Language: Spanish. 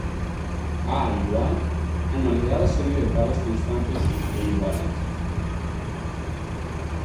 A= Anualidad o serie de pagos constantes e iguales.